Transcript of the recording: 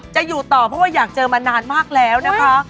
จะอยู่ต่อเพราะว่าอยากเจอมานานมากแล้วนะคะ